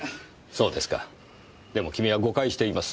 そうですかでも君は誤解しています。